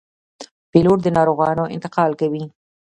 پیلوټ د ناروغانو انتقال کوي.